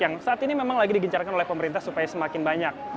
yang saat ini memang lagi digencarkan oleh pemerintah supaya semakin banyak